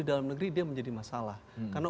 di dalam negeri dia menjadi masalah karena